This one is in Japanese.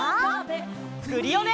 クリオネ！